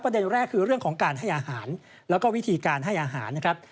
แรกคือเรื่องของการให้อาหารแล้วก็วิธีการให้อาหารนะครับ